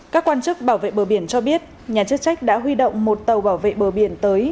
các quan chức bảo vệ bờ biển cho biết nhà chức trách đã huy động một tàu bảo vệ bờ biển tới